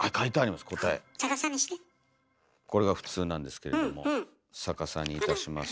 これが普通なんですけれども逆さにいたしますと。